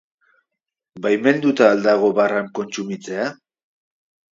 Baimenduta al dago barran kontsumitzea?